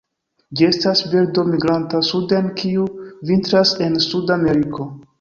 Ĝi estas birdo migranta suden kiu vintras en Suda Ameriko.